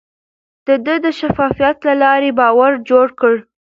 ده د شفافيت له لارې باور جوړ کړ.